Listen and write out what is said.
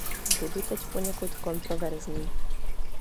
Budu teď poněkud kontroverzní.